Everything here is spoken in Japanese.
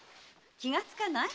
気がつかない？